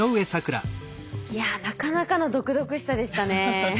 いやなかなかの毒々しさでしたね。